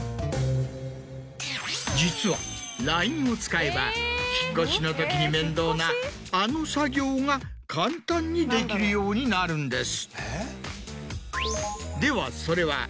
実はＬＩＮＥを使えば引っ越しの時に面倒なあの作業が簡単にできるようになるんです。